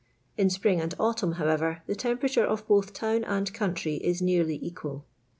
In spring and autumn, however, the temperature of both town and country is nearly equal.